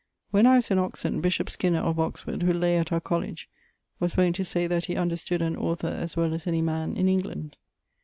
When I was in Oxon, bishop Skinner (of Oxford), who lay at our College, was wont to say that he understood an author as well as any man in England.